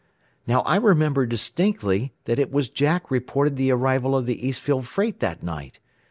"Now I remember distinctly that it was Jack reported the arrival of the Eastfield freight that night.